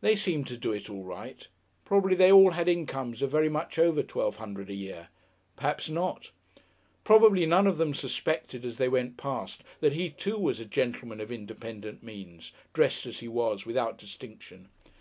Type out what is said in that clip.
They seemed to do it all right. Probably they all had incomes of very much over twelve hundred a year. Perhaps not. Probably none of them suspected, as they went past, that he, too, was a gentleman of independent means, dressed, as he was, without distinction.